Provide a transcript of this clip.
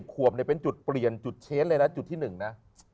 ขวบเนี่ยเป็นจุดเปลี่ยนจุดเชสเลยนะจุดที่๑นะ